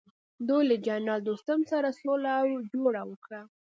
دوی له جنرال دوستم سره سوله او جوړه وکړه.